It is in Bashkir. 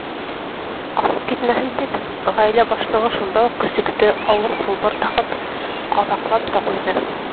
Ҡасып китмәһен тип, ғаилә башлығы шунда уҡ көсөктө ауыр сылбыр тағып, ҡаҙаҡлап та ҡуйҙы.